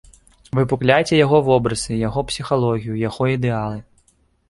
Выпукляйце яго вобразы, яго псіхалогію, яго ідэалы.